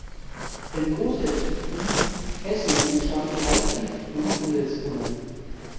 Im Großherzogtum Hessen entstanden relativ früh Handelskammern.